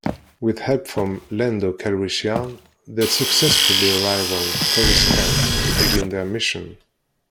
With help from Lando Calrissian, they successfully arrive on Coruscant to begin their mission.